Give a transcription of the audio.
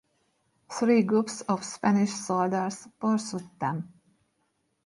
Three groups of Spanish soldiers pursued them.